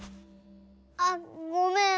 あっごめん